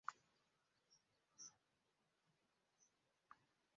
Abamu bagamba mbu bafunda n'ono.